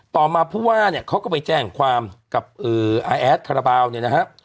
ต่อมาผู้ว่าเนี่ยเขาก็ไปแจ้งความกับอาแอดคาราบาลเนี่ยนะฮะ